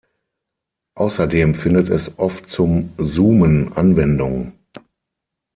Außerdem findet es oft zum Zoomen Anwendung.